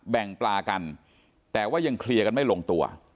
ปลากันแต่ว่ายังเคลียร์กันไม่ลงตัว